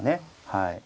はい。